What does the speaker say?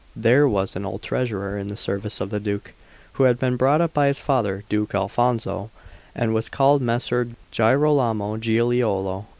There was an old treasurer in the service of the Duke, who had been brought up by his father, Duke Alfonso, and was called Messer Girolamo Giliolo.